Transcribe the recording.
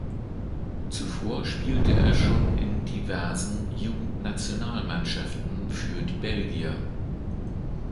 Zuvor spielte er schon in diversen Jugendnationalmannschaften für die Belgier.